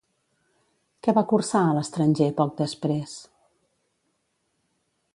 Què va cursar a l'estranger, poc després?